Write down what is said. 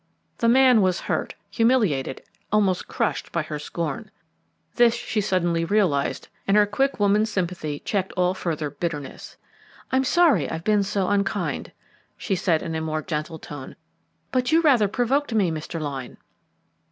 The man was hurt, humiliated, almost crushed by her scorn. This she suddenly realised and her quick woman's sympathy checked all further bitterness. "I'm sorry I've been so unkind," she said in a more gentle tone. "But you rather provoked me, Mr. Lyne."